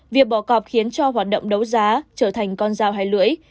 việc bỏ cọp khiến cho hoạt động đấu giá trở thành con dao hay lưỡi